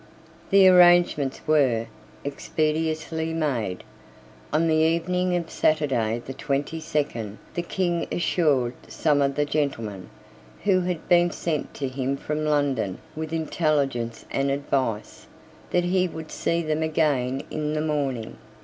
The arrangements were expeditiously made. On the evening of Saturday the twenty second the King assured some of the gentlemen, who had been sent to him from London with intelligence and advice, that he would see them again in the morning.